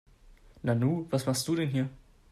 Nanu, was machst du denn hier?